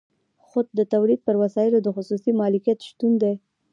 خو د تولید پر وسایلو د خصوصي مالکیت شتون دی